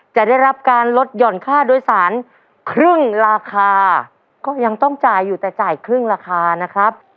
จะได้รับการลดหย่อนค่าโดยสารครึ่งราคาก็ยังต้องจ่ายอยู่แต่จ่ายครึ่งราคานะครับ